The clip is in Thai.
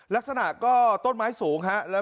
ลักษณะก็ต้นไม้สูงฮะ